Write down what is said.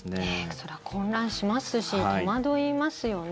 そりゃ混乱しますし戸惑いますよね。